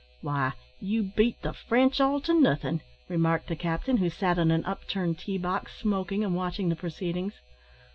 "Why, you beat the French all to nothing!" remarked the captain, who sat on an upturned tea box, smoking and watching the proceedings.